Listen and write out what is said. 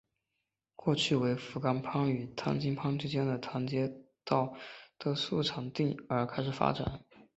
过去为福冈藩与唐津藩之间的唐津街道的宿场町而开始发展。